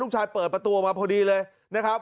เปิดประตูออกมาพอดีเลยนะครับ